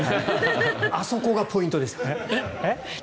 あそこがポイントですからね。